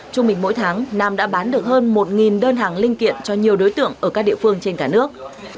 trung bình mỗi tháng nam đã bán được hơn một đơn hàng linh kiện cho nhiều đối tượng ở các địa phương trên cả nước